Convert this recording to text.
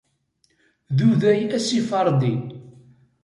D uday asifaṛdi.